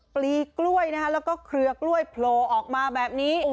ปลีกล้วยนะคะแล้วก็เครือกล้วยโผล่ออกมาแบบนี้